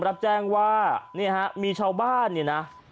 รับแจ้งว่ามีชาวบ้าน